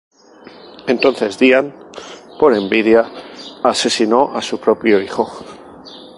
Entonces Dian por envidia asesinó a su propio hijo.